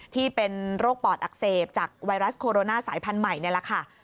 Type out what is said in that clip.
ที่เป็นโรคปอดอักเสบจากไวรัสโคโรนาสายพันธุ์ใหม่นี่แหละค่ะ